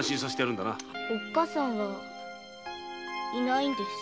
おっ母さんはいないんです。